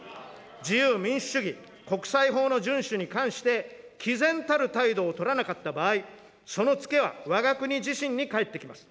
自由民主主義、国際法の順守に関してきぜんたる態度を取らなかった場合、そのつけはわが国自身に返ってきます。